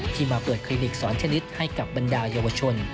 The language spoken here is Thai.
ที่มาเปิดคลินิกสอนเทนนิสให้กับบันดาลเยาวชน